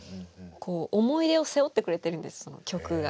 思い出を背負ってくれてるんです曲が。